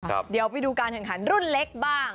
เดี๋ยวไปดูการแข่งขันรุ่นเล็กบ้าง